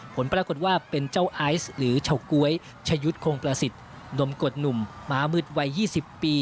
ผลปรากฏว่าเป็นเจ้าไอซ์หรือเฉาก๊วยชะยุทธ์คงประสิทธิ์นมกฎหนุ่มม้ามืดวัย๒๐ปี